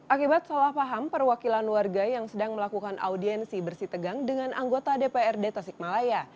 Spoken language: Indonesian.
akibat salah paham perwakilan warga yang sedang melakukan audiensi bersih tegang dengan anggota dprd tasikmalaya